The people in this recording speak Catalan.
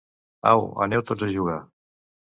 Au, aneu tots a jugar.